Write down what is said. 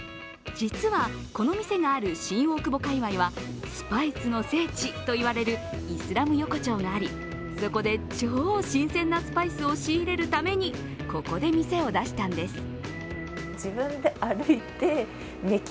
実はこの店がある新大久保界隈はスパイスの聖地と言われるイスラム横丁がありそこで超新鮮なスパイスを仕入れるために、ここで店を出したんです。